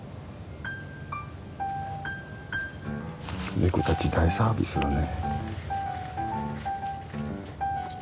ネコたち大サービスだね。